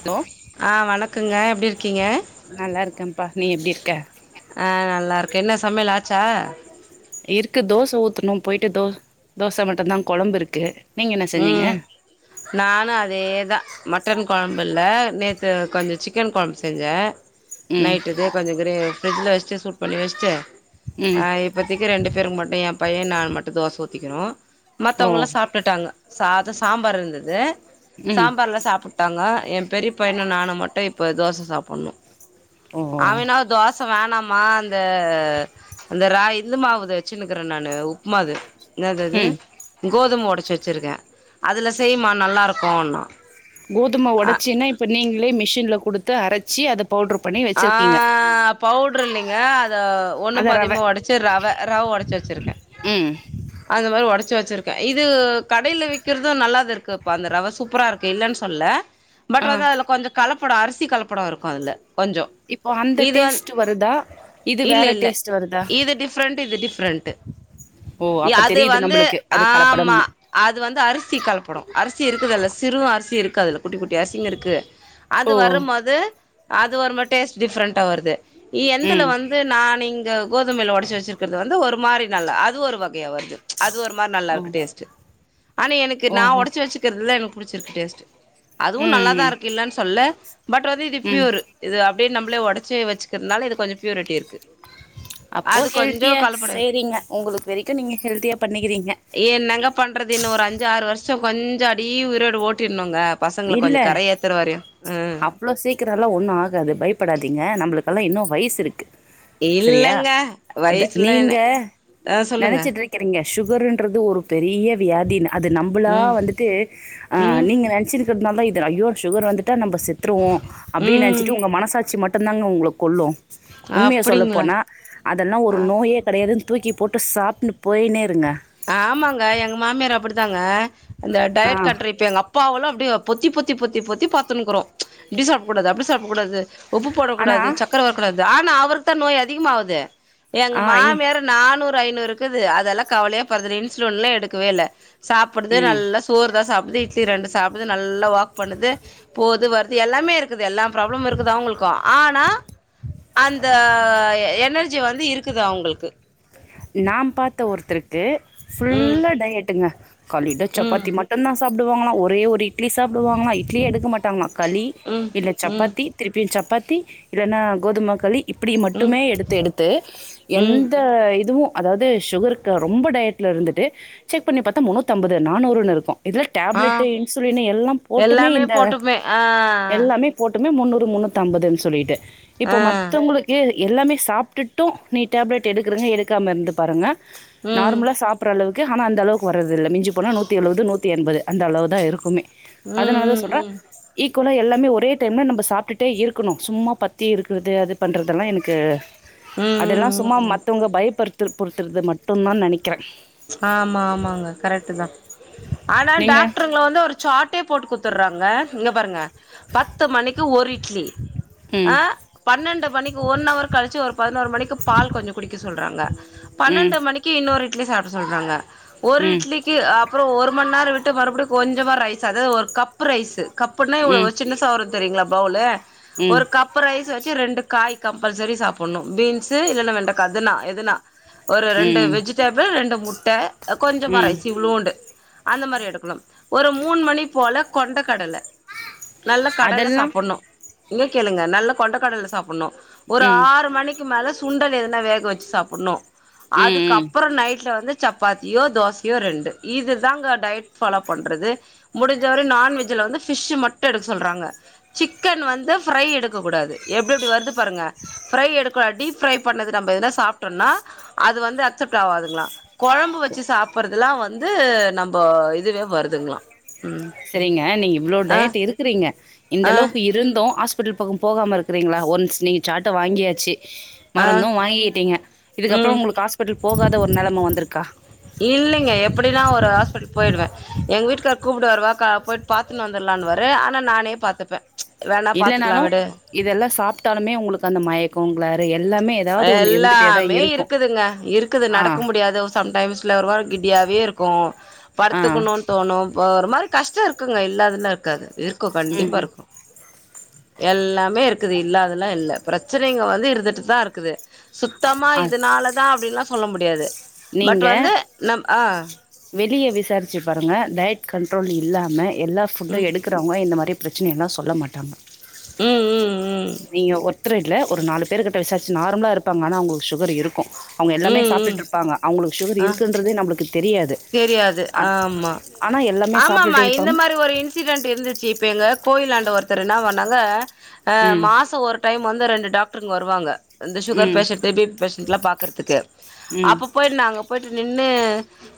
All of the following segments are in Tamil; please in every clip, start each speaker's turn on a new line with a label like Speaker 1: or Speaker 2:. Speaker 1: ஹலோ
Speaker 2: ஆ வணக்குங்க எப்டியிருக்கீங்க
Speaker 1: நல்லா இருக்கன்ப்பா நீ எப்டியிருக்க
Speaker 2: ஆ நல்லாருக்கே என்ன சமையல்லாச்சா
Speaker 1: இருக்கு தோச ஊத்தனு போயிட்டு தோ தோச மட்டுந்தா கொழம்பு இருக்கு நீங்க என்ன செஞ்சீங்க
Speaker 2: ம் நானு அதேதா மட்டன் கொழம்பில்ல நேத்து கொஞ்சோ சிக்கன் கொழம்பு செஞ்சே
Speaker 1: ம்
Speaker 2: நைட்டு இதோ கொஞ்சோ க்ரே பிரிட்ஜ்ல வெச்சி சூட் பண்ணி வெச்சிட்டு
Speaker 1: ம்
Speaker 2: ஆ இப்போதிக்கு ரெண்டு பேருக்கு மட்டு எம் பைய்யே நானு மட்டு தோச ஊத்திகணு
Speaker 1: ஓ
Speaker 2: மத்தவங்கல்லா சாப்ட்டுட்டாங்க சாதோ சாம்பார் இருந்தது
Speaker 1: ம்
Speaker 2: சாம்பார்லா சாப்பு ட்டாங்கோ எ பெரிய பைய்னு நானு மட்டு இப்ப தோச சாப்புட்ணு
Speaker 1: ஓ
Speaker 2: அவினோ தோ ச வேணாமா அந்த அந்த ராய் இந்து மாவுது வெச்சின்னுக்கிறே நானு உப்மாது என்னதது
Speaker 1: ம்
Speaker 2: கோதும ஒடச்சி வெச்சிருக்கே அதில செய்ம்மா நல்லாருக்குன்னா
Speaker 1: கோதும
Speaker 2: அ
Speaker 1: உடச்சின்னா இப்ப நீங்களே மிஷின்ல குடுத்து அரச்சி அத பவுடர் பண்ணி
Speaker 2: ஆ
Speaker 1: வச்சிருக்கீங்க
Speaker 2: பவுட்ரு இல்லைங்க அது ஒன்னு
Speaker 1: அத ரவ
Speaker 2: பாதிமா ஒடச்சி ரவ ரவ ஒடச்சி வெச்சிருக்கே
Speaker 1: ம்
Speaker 2: அந்த மாரி ஒடச்சு வெச்சிருக்கே இது கடைல விக்கிறது நல்லாது இருக்குப்ப அந்த ரவ சூப்பரா இரு க்கு இல்லன் சொல்ல பட்
Speaker 1: ஆ
Speaker 2: வந்து அதுல கொஞ்சோ கலப்படோ அரிசி கலப்படோ இருக்கு அதுல கொஞ்சோ
Speaker 1: இப்போ அந்த
Speaker 2: இது வந்
Speaker 1: டேஸ்ட்டு வருதா இது வேற டேஸ்ட்டு வருதா
Speaker 2: ஃப்ரெண்ட் இது டிஃப்ரெண்ட்டு
Speaker 1: ஓ அப்ப
Speaker 2: அது
Speaker 1: தெரியுது
Speaker 2: வந்து
Speaker 1: நம்பளுக்கு அது
Speaker 2: ஆமா
Speaker 1: கலப்படம்னு
Speaker 2: அது வந்து அரிசி களப்படோ அரிசி இருக்குதுல்ல சிறு அரிசி இருக்கு அதுல குட்டி குட்டி அரிசிங்க இருக்கு அது
Speaker 1: ஓ
Speaker 2: வரும்போது அது ஒருமாற டேஸ்ட் டிஃப்ரெண்ட்டா வருது எந்தில
Speaker 1: ம்
Speaker 2: வந் து நா இங்க கோதுமைல ஒடச்சி வெச்சிருக்கறது வந்து ஒரு மாரி நல்லா அது ஒரு வகையா வருது அது ஒரு மாரி
Speaker 1: ஓ
Speaker 2: நல்லாருக்கு டேஸ்ட்டு ஆனா எனக்கு நா
Speaker 1: ஓஹோ
Speaker 2: ஒடச்சி வெச்சி க்கிறதுல எனக்கு புடிச்சிருக்கு டேஸ்ட்டு அதுவு
Speaker 1: ம்
Speaker 2: நல்லா தா
Speaker 1: ம்
Speaker 2: இருக்கு இல்லேன் சொல்ல பட் வந்து இது
Speaker 1: ம்
Speaker 2: ப்யூரு இது அப்டே நம்ளே ஒடச்சி வெச்சிக்கிறனால இது கொஞ்சோ பியூரிட்டி இரு
Speaker 1: அப்போ ஹெல்த்தியா
Speaker 2: கலப்படோ இருக்கு
Speaker 1: சேரிங்க உங்களுக்கு வரைக்கு நீங்க ஹெல்த்தியா பண்ணிக்கிறீங்க
Speaker 2: என்னங்க பண்றது இன்னு ஒரு அஞ்சு ஆறு வருஷோ கொஞ்சோ அப்டியே உயிரோட ஓட்டிற்னுங்க பசங்கள கொஞ்சோ கரையேத்துர வரையு ம்
Speaker 1: இவ்ளோ சீக்கிரல்லா ஒண்ணு ஆகாது பயப்படாதீங்க நம்மளுக்கல்லா இன்னு வய்ஸ் இருக்கு செரியா
Speaker 2: இல்லங்க
Speaker 1: அத
Speaker 2: வயசுல
Speaker 1: நீங்க
Speaker 2: என்ன ஆ சொல்லுங்க
Speaker 1: நெனச்சிட்ருக் கிறீங்க சுகர்ன்றது ஒரு பெரிய வியாதின்னு அது நம்பளா
Speaker 2: ம்
Speaker 1: வந்துட்டு ஆ
Speaker 2: ம்
Speaker 1: நீங்க நெனச்சிருக்கந்தனால தா இது ஐயோ சுகர் வந்துட் டா நம்ப செத்துருவோ அப்டின்
Speaker 2: ம்
Speaker 1: நெனைச்சிட்டு உங்க மனசாட்சி மட்டுந்தாங்க உங்கள கொள்ளு உண்மைய
Speaker 2: அப்டிங்களா
Speaker 1: சொல்லப்போனா அதெல்லா ஒரு
Speaker 2: ஆ
Speaker 1: நோயே கெடையாதுன் தூக்கி போட்டு சாப்ட்ன்னு போய்னே இருங்க
Speaker 2: ஆமாங்க எங்க மாமியார் அப்டிதாங்க இந்த
Speaker 1: ஆ
Speaker 2: டயட் கண்ட்ரிக்கேங்கப் அப்பாவலா அப்டியே பொத்தி பொத்தி பொத்தி பொத்தி பாத்துன்னுக்குறோ இப்டி சாப்டக்கூடாது அப்டி சாப்டக்கூடாது உப்பு போடக்
Speaker 1: ஆனா
Speaker 2: கூடாது சக்கர வரக்கூடாது ஆனா அவருக்கு தா நோய் அதிகமாவுது எங்க
Speaker 1: ஆ இ
Speaker 2: மாமியார் நானூறு ஐநூறு இருக்குது அதெல்லா கவலையே படுறதில்ல இன்சுலின்ல எடுக்கவே இல்ல சாப்டுது
Speaker 1: ம்
Speaker 2: நல்லா சோறு தா சாப்டுது இட்லி ரெண்டு சாப்டுது நல்லா வாக் பண்ணுது போது வருது எல்லாமே இருக்குது எல்லா ப்ராப்ளமு இருக்குது அவங்களுக்கு ஆனா அந்த எ எனர்ஜி வந்து இருக்குது அவங்களுக்கு
Speaker 1: நா பாத்த ஒருத்தருக்கு
Speaker 2: ம்
Speaker 1: ஃபுல்லா டயட்டுங்க கால்ல இத சப்பாத்தி
Speaker 2: ம்
Speaker 1: மட் டுதா சாப்டுவாங்களா ஒரே ஒரு இட்லி சாப்டுவாங்களா இட்லியே எடுக்க மாட்டாங்களா களி
Speaker 2: ம்
Speaker 1: இல்ல
Speaker 2: ம்
Speaker 1: சப்பாத்தி திருப்பியு சப்பாத்தி இல்லைன்னா கோதும களி இப்டி
Speaker 2: ம்
Speaker 1: மட்டுமே எடுத்து எடுத்து
Speaker 2: ம்
Speaker 1: எந்த இ துவு அதாது சுகருக்கு அ ரொம்ப டயட்ல இருந்துட்டு செக் பண்ணி பாத்தா முன்னூத்தி அம்பது நானூறுன்னு இருக்கு இதுல
Speaker 2: ஆ
Speaker 1: டேப்லெட்டு இன்சுலின் எல்லா போட்டுமே
Speaker 2: எல்லாமே
Speaker 1: இந்த
Speaker 2: போட்டுப்பே ஆ
Speaker 1: எல்லாமே போட்டுமே முன்னூறு முன்னூத்து அம்பதுன்னு சொல்லிட்டு இப்ப
Speaker 2: ஆ
Speaker 1: மத்தவங்களு க்கு எல்லாமே சாப்ட்டுட்டு நீ டேப்லேட் எடுக்குறிங்க எடுக்காம இருந்து பாருங்க
Speaker 2: ம்
Speaker 1: நார்மலா சாப்ற அளவு க்கு ஆனா அந்த அளவுக்கு வரதில்ல மிஞ்சி போனா நூத்தி எழுவது நூற்றி எண்பது அந்த அளவு தா இருக்குமே
Speaker 2: ம்
Speaker 1: அதனால தா
Speaker 2: ம்
Speaker 1: சொல்ற
Speaker 2: ம்
Speaker 1: ஈக்குவலா எல்லாமே ஒரே டைம்ல நம்ம சாப்ட்டுட்டே இருக்கணு சும்மா பத்தி இருக்குறது அது பண்றதெல்லா எனக்கு
Speaker 2: ம்
Speaker 1: அதெல்லா சும்மா
Speaker 2: ம் ம்
Speaker 1: மத்தவங்க பயப்பற்த்து பொறுத்துறது மட்டுதா நனைக்கிற
Speaker 2: ஆமா ஆமாங்க கரெக்ட்டு தா ஆனா
Speaker 1: நீங்க
Speaker 2: டாக்டருங்கள வந்து ஒரு சாட்டே போட்டு குத்துறாங்க இங்க பாருங்க பத்து மணிக்கு ஒரு இட்லி
Speaker 1: ம்
Speaker 2: அ பன்னெண்டு மணிக்கு ஒன் அவர் கழிச்சு ஒரு பதினொரு மணிக்கு பால் கொஞ்சோ குடிக்க சொல்றாங்க
Speaker 1: ம்
Speaker 2: பன்னெண்டு மணிக்கு இன்னொரு இட்லி சாப்ட சொல்றாங்க ஒரு
Speaker 1: ம்
Speaker 2: இட்லி கி அப்றோ ஒரு மண்நேர விட்டு மறுபடியு கொஞ்சமா ரைஸ் அதாது ஒரு கப் கப்பு ரைஸ் கப்புனே வ
Speaker 1: ம்
Speaker 2: வ சின்னுசா வரு தெரியுங்களா பவுலு
Speaker 1: ம் ம்
Speaker 2: ஒரு கப் பு ரைஸ் வெச்சு ரெண்டு காய் கம்பல்சரி சாப்புணு பீன்ஸு இல்லைன்னா வெண்டக்கா எதுனா எதுனா ஒரு ரெண்டு
Speaker 1: ம்
Speaker 2: வெஜிடேபள் ரெண்டு முட்ட கொஞ்சோமா
Speaker 1: ம்
Speaker 2: ரைஸ் இவ்ளோன்டு அந்த மாரி எடுக்கணு ஒரு மூணு மணி போல கொண்ட கடல நல்ல கடல்ல
Speaker 1: அதெல்லா
Speaker 2: சாப்புன்ணு இங்க கேளுங்க நல்ல கொண்ட கடல்ல சாப்புன்ணு ஒரு
Speaker 1: ம்
Speaker 2: ஆறு மணி க்கு மேல சுண்டல் எதுனா வேக வெச்சு சாப்புட்ணு
Speaker 1: ம்
Speaker 2: அதுக்கு
Speaker 1: ம்
Speaker 2: அப்ற நைட்ல வந்து சப்பாத்தியோ தோசையோ ரெண்டு இதுதாங்க டயட் ஃபாலோ பண்றது முடிஞ்ச வர நான்வெஜ்ல வந்து ஃபிஷ்ஷு மட்டு எடுக்க சொல்றாங்க சிக்கன் வந்து ஃப்ரை எடுக்க கூடாது எப்டி எப்டி வருது பாருங்க ஃப்ரை எடுக்கூடா டீப் ஃப்ரை பண்ணது நம்ப எதுனா சாப்ட்டோனா அது வந்து அக்செப்ட் ஆவாதுங்களா கொழம்பு வெச்சு சாப்பறதுலா வந்து நம்ப இதுவே வருதுங்குளாம் ம்
Speaker 1: சரிங்க நீங்க இவ்ளோ
Speaker 2: ஆ
Speaker 1: டயட் இருக்குறீங்க இந்த
Speaker 2: ஆ
Speaker 1: அளவுக்கு இருந்து ஆஸ் பிட்டல் பக்கொ போகாம இருக்கிறீங்களா ஒன்ஸ் நீங்க சாட்ட வாங்கியாச்சு
Speaker 2: ஆ
Speaker 1: மருந்து வாங்கிக்கிட்டீங்க இதுக்கப்புறொ
Speaker 2: ம்
Speaker 1: உங்களுக்கு ஹாஸ்பிட்டல் போகாத ஒரு நெலம வந்துருக்கா
Speaker 2: இல்லைங்க எப்டிலா ஒரு ஹாஸ்பிட்டல் போயிறுவே எங்க வீட்டுக்கார் கூப்ட்டு வாரு வா கா போயி பாத்துன்னு வந்துருலான்னுவாரு ஆனா நானே பாத்துப்பே வேணா பாத்துக்கலா
Speaker 1: இல்லனாலு
Speaker 2: விடு
Speaker 1: இதெல்லா சாப்ட்டாலுமே உங்களுக்கு அந்த மயக்கொ கிளாரு எல்லாமே ஏதாவது ஒண்ணு இருந்துட்டே தா
Speaker 2: எல்லாமே
Speaker 1: இருக்கு
Speaker 2: இருக்குதுங்க இருக்குது
Speaker 1: ஆ
Speaker 2: நடக்க முடியாது சம்டைம்ஸ்ல ஒரு வாரொ கிட்டியாவே இருக்கு
Speaker 1: ஆ
Speaker 2: பர்த்துக்குணு தோணு இப்ப ஒரு மாரி கஷ்ட இருக்குங்க இல்லாதுல்லா இருக்காது இருக்கு கண்டிப்பா
Speaker 1: ம்
Speaker 2: இருக்கு எல்லாமே இருக்குது இல்லாதெல்லா இல்ல பிரச்சனைங்க வந்து இருந்துட்டுதா இருக்குது சுத்தமா
Speaker 1: ஆ
Speaker 2: இதுனால தா அப்டின்லா சொல்ல முடியாது பட்
Speaker 1: நீங்க
Speaker 2: வந்து நம் ஆ
Speaker 1: வெளிய விசாரிச்சு பாருங்க டயட் கண்ட்ரோல் இல்லாம எல்லா ஃபுட்டு
Speaker 2: ம்
Speaker 1: எடுக் க்கிறவ்ங்க இந்த மாரி பிரச்சனையெல்லா சொல்ல மாட்டாங்க
Speaker 2: ம் ம் ம்
Speaker 1: நீங்க ஒர்த்தரு இல்ல ஒரு நாலு பேருக்கிட்ட விசாரிச்சு நார்மலா இருப்பாங்க ஆனா அவ்ங்களுக்கு சுகர் இருக் கு அவங்ஙக எல்லாமே
Speaker 2: ம் ம்
Speaker 1: சாப்டடுட்ருப்பாங்க அவ்ங்களுக்கு சுகர்
Speaker 2: ஆ
Speaker 1: இருக்குன்றதே நம்மளுக்கு தெரியாது
Speaker 2: தெரியாது
Speaker 1: ஆ
Speaker 2: ஆமா
Speaker 1: ஆனா எல்லாமே
Speaker 2: ஆமாம்மா
Speaker 1: சாப்ட்டுட்டு
Speaker 2: இந்த
Speaker 1: இருப்பாங்க
Speaker 2: மாரி ஒரு இன்ஸ் சிடெண்ட் இருந்துச்சு இப்ப எங்க கோயிலாண்ட ஒருத்தர் என்ன பண்ணாங்க அ
Speaker 1: ம்
Speaker 2: மாச ஒரு டைம் வந்து ரெண்டு டாக்ட்ருங்க வருவங்க இந்த சுகர்
Speaker 1: ம்
Speaker 2: பேஷன்ட்டு பி பி பேஷன்ட்லா பாக்கற்துக்கு
Speaker 1: ம்
Speaker 2: அப்ப போயிட்டு நா அங்க போயிட்டு நின்னு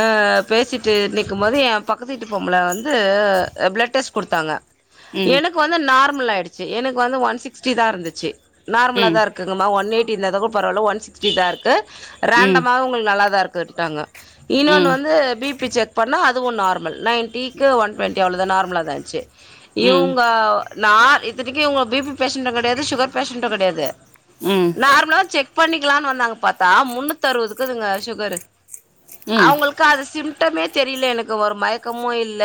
Speaker 2: அ பேசிட்டு நிக்கும் போது எ பக்கத்து வீட்டு பொம்பள வந்து அ பிளட் டெஸ்ட் குடுத்தாங்க
Speaker 1: ம்
Speaker 2: எனக்கு வந்து நார்மல் ஆயிடுச்சு எனக்கு வந்து ஒன் சிக்ஸ்டி தா இருந்துச்சு
Speaker 1: ம்
Speaker 2: நார்மலா
Speaker 1: ம்
Speaker 2: தா இருக் குது மா ஒன் எயிட்டி இருந்ததுக்கு பரவால்ல ஒன் சிகஸ்டி தா இருக்கு ரேண்டமா உங்களுக்கு நல்லாதா இருக்கு க்குன்டாங்க இன்னொன்னு
Speaker 1: ம்
Speaker 2: வந்து பி பி செக் பண்ணா அதுவு நார்மல் நைன்டிக்கு ஒன் டுவெண்ட் டி அவ்வளதா நார்மலா தா இருந்ச்சு
Speaker 1: ம்
Speaker 2: இவ்ங்க நா இத்தனைக்கு இவ்ங்க பி பி பேஷன்ட்டு கெடையாது சுகர் பேஷன்ட்டு கெடையாது
Speaker 1: ம்
Speaker 2: நார்மலா செக் பண்ணிக்லான் வந்தாங்க பாத்தா முன்னூத்தறுவது இக்குதுங்க சுகரு
Speaker 1: ம்
Speaker 2: அவ்ங்களுக்கு அது சிம்டமே தெரியல எனக்கு ஒரு மயக்கமு இல்ல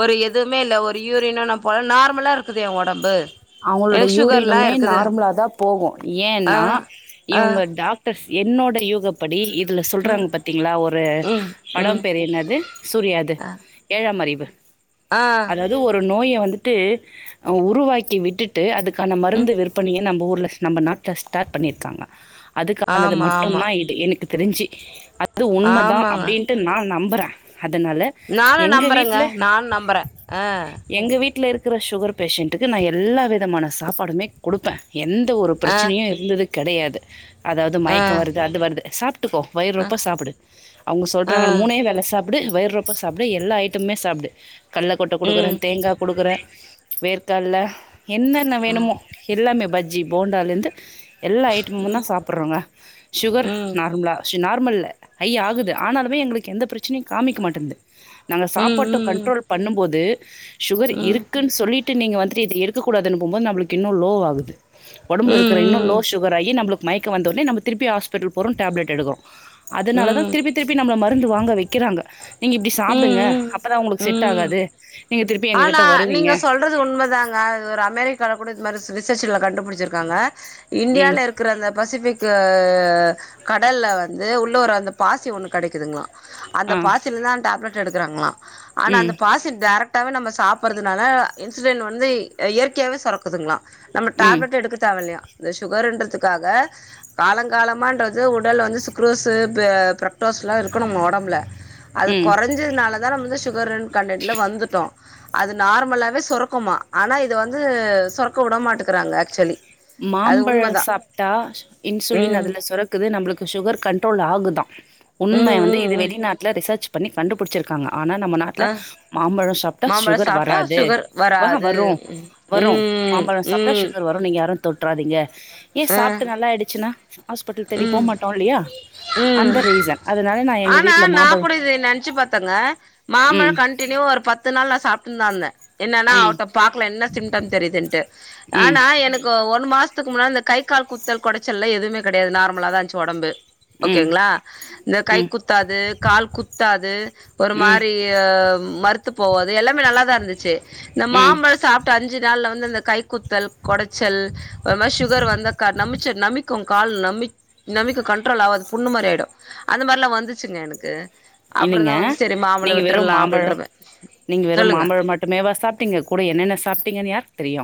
Speaker 2: ஒரு எதுவுமே இல்ல ஒரு யூரினு நா போல நார்மலா இருக்குது எ ஒடம்பு
Speaker 1: அவ்ங்களோட
Speaker 2: எனக்கு சுகர்லா
Speaker 1: யூர்னுமே
Speaker 2: இருக்குது
Speaker 1: நார்மலா தா போகு
Speaker 2: ஆ
Speaker 1: ஏன்னா
Speaker 2: ஆ
Speaker 1: இவ்ங்க டாக் ட்ரம்ஸ் என்னோட யூகப்படி இதுல
Speaker 2: ம்
Speaker 1: சொல்றாங்க பாத்தீங்களா ஒரு
Speaker 2: ம் ம்
Speaker 1: படம் பேரு என்னது சூரியாது ஏழாம் அறிவு
Speaker 2: ஆ
Speaker 1: து ஒரு நோய வந்துட்டு அவ உருவாக்கி விட்டுட்டு அதுக்கான
Speaker 2: ம்
Speaker 1: மருந்து விற்பனைய நம்ப ஊர்ல நம்ம நாட்ல ஸ்டார்ட் பண்ணிருக்காங்க அதுக்கானது
Speaker 2: ஆமா ஆமா
Speaker 1: மட்டுந்தா இது எனக்கு தெரிஞ்சு அ அது உண்மதா
Speaker 2: ஆமாங்க
Speaker 1: அப்டின்ட்டு நா நம்புறே அதனால
Speaker 2: நானு
Speaker 1: எங்க
Speaker 2: நம்புறேங்க
Speaker 1: வீட்ல
Speaker 2: நானு நம்புறே ஆ
Speaker 1: எங்க வீட்ல இருக்குற சுகர் பேஷண்ட்டுக்கு நா எல்லா விதமான சாப்பாடுமே குடுப்பே எந்த ஒரு
Speaker 2: ஆ
Speaker 1: பிரச்சனையு இருந்தது கெடையாது அதாவ்து
Speaker 2: ஆ
Speaker 1: மயக்க வருது அது வருது சாப்ட்டுக்கோ வயிறு
Speaker 2: அ
Speaker 1: ரொப்ப சாப்புடு அவ்ங்க
Speaker 2: ஆ
Speaker 1: சொல்றாங்கன்னு மூணே வேல சாப் டு வயிறு ரொப்ப சாப்டு எல்லா ஐட்டமுமே சாப்டு கட்லக்கொட்ட குடுக்குறே
Speaker 2: ம்
Speaker 1: தேங்கா குடுக்குறே வேர்கட்ல என்னென்ன வேணுமோ எல்லாமே பஜ்ஜி போண்டாலருந்து எல்லா ஐட்டமும் தா சாப்புட்றாங்க சுகர்
Speaker 2: ம்
Speaker 1: நார்ம்லா நார்மல் இல்ல ஹை ஆகுது ஆனாலுமே எங்களுக்கு எந்த பிரச்சனையு காமிக்க மாட்டின்து நாங்க
Speaker 2: ம்
Speaker 1: சாப்பாட்ட
Speaker 2: ம்
Speaker 1: கண்ட்ரோல் பண்ணும்போது சுகர்
Speaker 2: ம்
Speaker 1: இருக்குன் சொல்லிட்டு நீங்க வந்துட்டு இத எடுக் க்க கூடதுன்னு போம்போது நம்மளுக்கு இன்னு லோ ஆகுது ஒடம்புல
Speaker 2: ம்
Speaker 1: இருக்குற இன்னு லோ
Speaker 2: ம்
Speaker 1: சுகர் ஆகி நம்மளுக்கு மயக்க வந்தோனே நம்ம திருப்பி ஹாஸ்பிட்டல் போறோ டேப்லட் எடுக்குறோ
Speaker 2: ம்
Speaker 1: அதனால தா திருப்பி
Speaker 2: ம்
Speaker 1: திருப்பி நம்மள மருந்து வாங்க வெக்கிறாங்க நீங்க இப்டி சாப்டுங்க
Speaker 2: ம்
Speaker 1: அப்ப தா ஒங்களுக்கு செட்
Speaker 2: ம் ம்
Speaker 1: ஆகாது நீங்க திருப்பி
Speaker 2: ஆனா
Speaker 1: எங்ககிட்ட வருவீங்க
Speaker 2: நீங்க சொல்றது உண்மதாங்க இது ஒரு அமெரிக்கால கூட இது மாரி ரிசர்ச்சுல கண்டுபுடிச்சிருக்காங்க
Speaker 1: ம்.
Speaker 2: இந்தியால இருக் க்கிற அந்த பசிஃபிக்கு கடல்ல வந்து உள்ள ஒரு அந்த பாசி ஒன்னு கெடைக்குதுங்ளா அந்த
Speaker 1: ஆ.
Speaker 2: பாசிலதா டேப்லெட் எடுக்கிறாங்களா ஆனா
Speaker 1: ம்.
Speaker 2: அந்த பாசில டேரக்ட் [unintelligible] நம்ம சாப்பறனால! இன்சுலின் வந்து இயற்கையாவே சுரக்குதுங்களா நம்ம
Speaker 1: ம்.
Speaker 2: டேப்லெட் எடுக்க தேவயில்லையான் இந்த சுகர்ன்றதுக்காக காலங்காலமான்றது உடல் வந்து சுக்ரோஸு பிரக்டோஸ்ல்லா இருக்கணுமா ஒடம்புல அது
Speaker 1: ம்.
Speaker 2: கொறைஞ்சதுனால தா நம்ம வந்து சுகர்ன்னு கண்டென்ட்ல வந்துட்டோ அது நார்மலாவே சொரக்குமா ஆனா இத வந்து சொரக்க வுடமாட்டக்குறாங்க ஆக்சுலி
Speaker 1: மாம்பழம் சாப்ட்டா இன்சுலின்
Speaker 2: ம்
Speaker 1: அதுல சுரக் குது நம்மளுக்கு சுகர் கண்ட்ரோல் ஆகுதான் உண்மை
Speaker 2: ம்
Speaker 1: வந்து
Speaker 2: ம்
Speaker 1: இது
Speaker 2: ம்
Speaker 1: வெளிநாட்டில ரிசர்ச் பண்ணி கண்டுபிடிச்சிருக்காங்க ஆனா நம்ம நாட்ல
Speaker 2: ஆ
Speaker 1: மாம்பழோ சாப்ட்டா
Speaker 2: மாம்பழ
Speaker 1: சுகர்
Speaker 2: சாப்ட்டா
Speaker 1: வராது
Speaker 2: சுகர்
Speaker 1: ஆ
Speaker 2: வராது
Speaker 1: வரு
Speaker 2: ம்
Speaker 1: வரு
Speaker 2: ம்
Speaker 1: மாம்பழோ சாப்ட்டா
Speaker 2: ம்
Speaker 1: சுகர் வரு நீங்க யாரும் தொட்றாதீங்க ஏ
Speaker 2: ஆ
Speaker 1: சாப்ட்டு நல்லாயிடுச்சுனா ஹாஸ்பிட்டல் தேடி போ
Speaker 2: ம்
Speaker 1: மாட்டோ இல்லையா அந்த
Speaker 2: ம்
Speaker 1: ரீசன் அதனால நா எங்க
Speaker 2: ஆனா
Speaker 1: வீட்ல மா
Speaker 2: நா கூட இது நென்ச்சு பாத் ஒருத்தங்க மாமழோ
Speaker 1: ம்
Speaker 2: கண்டினியூ ஒரு பத்துநாள் நா சாப்ட்னுதா இருந்தே என்னன்னா
Speaker 1: ம்
Speaker 2: அவர்ட்ட பாக்கலா என்ன சிம்டம்ஸ் தெரியுதுன்ட்டு
Speaker 1: ம்
Speaker 2: ஆனா எனக் ஒரு மாசத்துக்கு முன்னா இந்த கை, கால் குத்தல், கொடச்சல்லா எதுமே கெடையாது நார்மலா தா இருந்துச்சு உடம்பு
Speaker 1: ம்
Speaker 2: ஓகேங்ளா இந்த கை
Speaker 1: ம்
Speaker 2: குத்தாது கால் குத்தாது ஒரு
Speaker 1: ம்
Speaker 2: மாரி அ மரத்து போவாது, எல்லாமே நல்லாதா இருந்துச்சுஇந்த
Speaker 1: ம்
Speaker 2: மாம்பழோ சாப் அஞ்சுநாள்ல வந்து, அந்த கை குத்தல், கொடச்சல், ஒரு மாறி சுகர் வந்தக்கா நமைச்ச நமைக்கும் கால் நமை நமைக்கு கண்ட்ரோல் ஆவாது புண்ணு மாரி ஆயிடு அந்த மாரியெல்லா வந்துச்சுங்க எனக்கு அப்புற
Speaker 1: இல்லைங்க
Speaker 2: தா வந்து சேரி மாம்பழோ
Speaker 1: நீங்க வெறும்
Speaker 2: விட்ரலா அப்டின்ற மாறி சொல்லுங்க
Speaker 1: இது மட்டுமேவா சாப்ட்டீங்க கூட என்னென்ன சாப்ட்டீங்கனு யாருக்தெரியு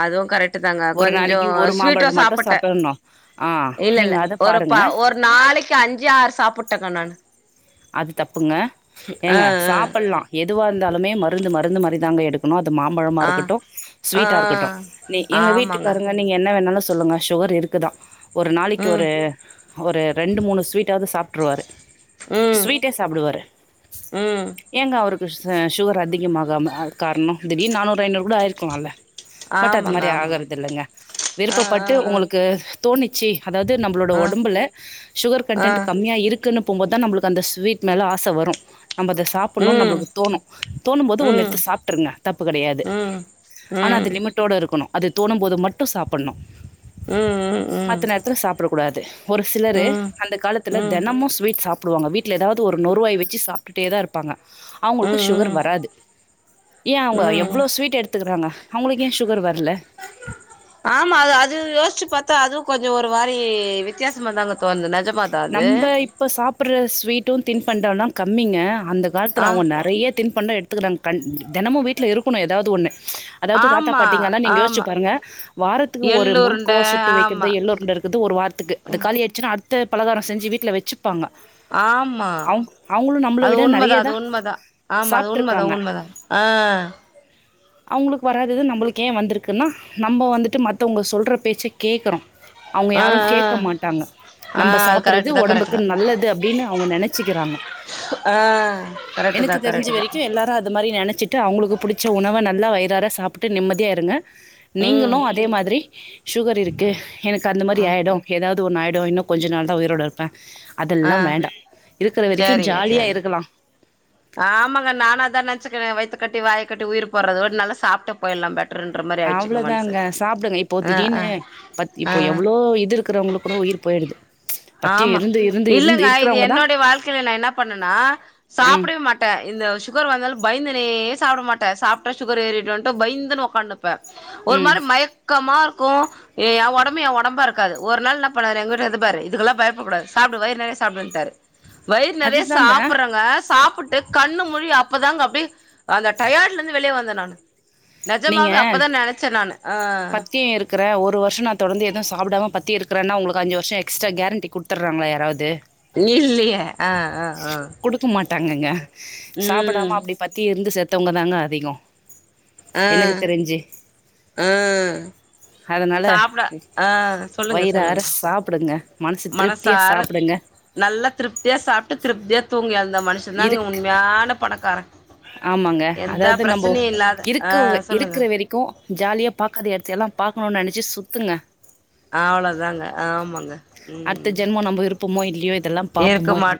Speaker 2: அதுவு கரெட் தாங்க கொஞ்சோ
Speaker 1: நாளைக்கு ஒரு
Speaker 2: ஸ்வீட்டு
Speaker 1: மாம்பழம் மட்டு
Speaker 2: சாப்பிட்டே
Speaker 1: சாப்பிடணு ஆ நீங்க
Speaker 2: இல்லயில்ல
Speaker 1: அத
Speaker 2: ஒரு பா
Speaker 1: பாருங்க
Speaker 2: ஒரு ஒரு நாளைக்கு அஞ்சு ஆறு சாப்புட்டேங்க நானு
Speaker 1: அது தப்புங்க
Speaker 2: ஆ
Speaker 1: ஏங்க சாப்பல்லா எதுவா இருந்தாலுமே மருந்து மருந்து மாதிரிதாங்க எடுக் கணு அது மாம்பழமா
Speaker 2: ஆ
Speaker 1: இருக்கட்டு
Speaker 2: ஆ
Speaker 1: ஸ்வீட்டா இருக்கட்டு நீ
Speaker 2: ஆ
Speaker 1: எங்க
Speaker 2: ஆமாங்க
Speaker 1: வீட்டுக்காரங்க நீங்க என்ன வேணாலு சொல்லுங்க சுகர் இருக்குதா ஒரு நாளைக்கு
Speaker 2: ம்
Speaker 1: ஒரு ஒரு ரெண்டு மூணு ஸ்வீட்டாவது சாப்ட்ருவாரு
Speaker 2: ம்
Speaker 1: ஸ்வீட்டே சாப்புடுவாரு
Speaker 2: ம்
Speaker 1: ஏங்க அவருக் ச சுகர் அதிகமாகாம காரணம் திடீர்னு நானூறு ஐநூறு கூட ஆயிருக்கலால பட் அது
Speaker 2: ஆமாங்க
Speaker 1: மாரி
Speaker 2: ஆமாங்க
Speaker 1: ஆகறதில்லங்க
Speaker 2: ஆ ஆ
Speaker 1: விருப்பப்பட்டு உங்ளுக்கு தோணிச்சு அதாவது நம்மளோட
Speaker 2: ஆ ஆ
Speaker 1: உடம்புல சுகர்
Speaker 2: ஆ
Speaker 1: கண்ட்டென்ட் கம்மியா இருக்குன்னு போபோதுதா நம்ளுக் அந்த ஸ்வீட் மேலே ஆச வரு நம்ம அத சாப்புடுணுனு
Speaker 2: ம்
Speaker 1: நம்ளுக்கு தோணு தோணும்போது ஒன்னு
Speaker 2: ம்
Speaker 1: எடுத்து சாப்ட்டுருங்க தப்பு கெடையாது
Speaker 2: ம்
Speaker 1: ஆனா அது
Speaker 2: ம்
Speaker 1: லிமிட்டோட இருக்கணு அது தோணும்போது மட்டு சாப்படுணு
Speaker 2: ம் ம் ம்
Speaker 1: மத்த நேரத்துல சாப்ட கூடாது ஒரு சிலரு
Speaker 2: ம்
Speaker 1: அந்த காலத்துல
Speaker 2: ம்
Speaker 1: தெனமு ஸ்வீட் சாப் புடுவாங்க வீட்ல ஏதாவது ஒரு நொருவாய் வச்சு சாப்ட்டுட்டே தா இரு ப்பாங்க அவங்ளுக்கு
Speaker 2: ம்
Speaker 1: சுகர்
Speaker 2: ம்
Speaker 1: வராது ஏ அவங்க
Speaker 2: ம்
Speaker 1: எவ்ளோ ஸ்வீட் எடுத்துக்கறாங்க அவங்ளுக்கு ஏ சுகர் வரல
Speaker 2: ஆமா அது யோசிச்சு பாத்தா அதுவு கொஞ்சோ ஒரு மாரி வித்தியாசமாதாங்க தோணுது நெஜமாதா அது
Speaker 1: நம்ப இப்ப சாப்ட்ற ஸ்வீட்டு தின்பண்டல்லா கம்மிங்க அந்த காலத்துல
Speaker 2: ஆ
Speaker 1: அவங்க நெறைய திண்பண்ட எடுத்துக்கறாங்க தெனமு வீட்லயிருக்கணு ஏதாவது ஒண்ணு அதாவது தாத்தா
Speaker 2: ஆமா
Speaker 1: பாட்டிங்கல்லா நீங்க யோச்சு
Speaker 2: ஆமா
Speaker 1: பாருங்க வாரத்துக்கு ஒரு
Speaker 2: எள்ளுருண்ட
Speaker 1: முறுக்கோ சுட்டு வைக்கறது,
Speaker 2: ஆமா
Speaker 1: எள் உருண்ட இருக்கறது ஒரு வாரத்துக்கு அது காலி ஆய்டுச்சுனா அடுத்த பலகார செஞ்சு வீட்ல வச்சுப்பாங்க
Speaker 2: ஆமா
Speaker 1: அவ் அவங்களு நம்மள
Speaker 2: அது
Speaker 1: விட
Speaker 2: உண்மதா
Speaker 1: நெறைய
Speaker 2: அது
Speaker 1: தா
Speaker 2: உண்மதா ஆமா அது உண்மதா உண்மதா ஆ
Speaker 1: ம் [inaudible] அவுங்களுக்கு வராதது நம்மளுக்கு ஏன் வந்திருக்குன்னா? நம்ம வந்துட்டு மத்தவங்க சொல்ற பேச்ச கேக்குறோ அவுங்க
Speaker 2: ஆ
Speaker 1: யாரு
Speaker 2: ஆ
Speaker 1: கேக்கமாட்டாங்க
Speaker 2: ஆ
Speaker 1: நம்ப
Speaker 2: அது
Speaker 1: சாப்புறது
Speaker 2: கரெக்ட் தா கரெக்ட்
Speaker 1: ஒடம்புக்கு
Speaker 2: தா
Speaker 1: நல்லது அப்டின்னு அவுங்க நெனச்சிக்கிறாங்க
Speaker 2: ஆ கரெக்ட் தா
Speaker 1: எனக்கு தெரிஞ்ச
Speaker 2: கரெக்ட் தா
Speaker 1: வெரைக்கு எல்லாரு அது மாரி நெனச்சிட் டு அவுங்ளுக்கு புடிச்ச உணவ நல்லா வயிறாற சாப்ட்டு நிம்மதியா இருங்க நீங்களு
Speaker 2: ம்
Speaker 1: அ தே மாதிரி சுகர் இருக்கு எனக்கு அந்த மாதிரி
Speaker 2: ஆ
Speaker 1: ஆயிடு ஏதாவ்து ஒன்னு ஆயிடு இன்னோ கொஞ்ச நாள் தா உயிரோடு இருப்பே
Speaker 2: ஆ
Speaker 1: அதெல்லா வேண்டா இருக்குற வெரைக்கு
Speaker 2: சேரிங்க
Speaker 1: ஜாலியா
Speaker 2: சேரிங்க
Speaker 1: இருக்கலா
Speaker 2: ஆமாங்க நானு அதா நென்ச்சுக்குரே வய்த்தக்கட்டி வாய கட்டி உயிர் போறது ஒரு நல்லா சாப்ட்டு போய்ல்லா பெட்
Speaker 1: அவ்ளோதாங்க சாப்டுங்க இப்போ
Speaker 2: ஆ
Speaker 1: திடீனு
Speaker 2: ஆ
Speaker 1: பத் இப்போ
Speaker 2: ஆ
Speaker 1: எவ்ளோ இது இருக் குறவங்ளுக்கு கூட உயிர் பெய்டுது
Speaker 2: ஆமா இல்லங்க இது என்னோடைய வாழ்க்கையில நா என்னா பண்ணனா
Speaker 1: ம்
Speaker 2: சாப்டவே மாட் டா இந்த சுகர் வந்தாலு பயந்துனே சாப்ட மாட்டே சாப்ட்டா ஷூகர் ஏறிடோன்டு பயந்துனு உக்காந்துரு ப ஒரு
Speaker 1: ம்
Speaker 2: மாரி மயக் கமா இருக்கோ ஏ என் ஒடம்பு ஏன் ஒடம்பா இருக்காது ஒரு நாள் என்ன பண்ணாரு எங்க வீட்டுக்காரு இது பாரு இதுகெல்லா பயப்பு கூடாது சாப்டு வயிற் நெறையா சாப்புருன்டாறு வயிற் நெறையா
Speaker 1: அதுதாங்க
Speaker 2: சாப்புற்றங்க சாப்புட்டு கண்ணு முழி அப்பதாங்க அப்டியே அந்த டயாட்லெந்து வெளியே வந்தே நானு நெஜமாவே அப்பதா நெனச்சே நானு ஆ
Speaker 1: பத்தியே இருக் இருக்குறே ஒரு வர்ஷோ நா தொடந்து எதுவு சாப்டாம பத்தியோ இருக்கறேன்னா உங்ளுக்கு அஞ்சு வர்ஷோ எக்ஸ்ட்ரா கேரண்டி குடுத்துறாங்களா யாராவ்து
Speaker 2: இல்லியே ஆ ஆ ஆ
Speaker 1: குடுக்க மாட்டாங்கங்க சாப்படாம
Speaker 2: ம்
Speaker 1: அப்டி பத்தியோ இருந்து செத்தவங்கதாங்க அதிகோ எனக்கு
Speaker 2: ஆ
Speaker 1: தெரிஞ்சி
Speaker 2: ஆ
Speaker 1: அதனால
Speaker 2: சாப்ட ஆ சொல்லுங்க
Speaker 1: வயிறாற
Speaker 2: சொல்லுங்க
Speaker 1: சாப்டுங்க மனசு திருப்தியா சாப்டுங்க
Speaker 2: நல்ல திருப்தியா சாப்ட்டு திருப்தியா தூங்கி எழுந்த மன்ஷ தாங்க
Speaker 1: இருக்
Speaker 2: உண்மையான பணக்கார
Speaker 1: ஆமாங்க
Speaker 2: எந்த
Speaker 1: அதாவ்து நம்போ
Speaker 2: பிரச்சனையு இல்லாத ஆ
Speaker 1: இருக்குவே
Speaker 2: சொல்லுங்க
Speaker 1: இருக்குற வெரைக் கோ ஜாலியா பாக்காத எடத்தையெல்லா பாக்கணோ நெனச்சி சுத்துங்க
Speaker 2: அவ்ளோதாங்க ஆமாங்க ம்
Speaker 1: இப்பமோ இல்லியோ இதெல்லா
Speaker 2: இருக்க
Speaker 1: பாப்போமோ
Speaker 2: மாட்
Speaker 1: இல்